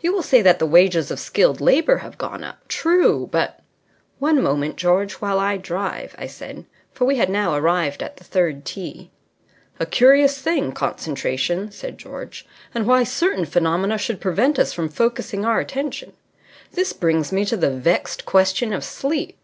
You will say that the wages of skilled labour have gone up. True. But " "One moment, George, while I drive," I said. For we had now arrived at the third tee. "A curious thing, concentration," said George, "and why certain phenomena should prevent us from focusing our attention This brings me to the vexed question of sleep.